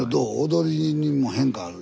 踊りにも変化ある？